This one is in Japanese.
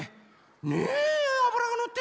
ねえあぶらがのってて。